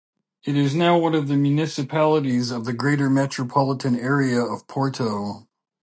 It is now one of the municipalities of the Greater Metropolitan Area of Porto.